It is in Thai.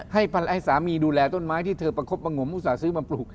ให้สามีดูแลต้นไม้ที่เธอไปครบเป็นหงมอุตส่าห์ซื้อเป็นปลูก